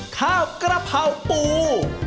ข้าวกระเพราปู